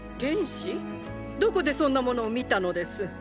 どこでそんなものを見たのです？